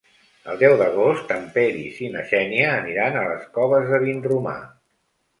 El deu d'agost en Peris i na Xènia aniran a les Coves de Vinromà.